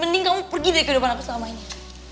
mending kamu pergi dari kehidupan aku selama ini